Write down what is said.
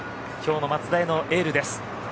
きょうのマツダへのエールです。